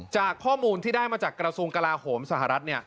จากข้อมูลที่ได้มาจากกระทรวงกลาโหมสหรัฐ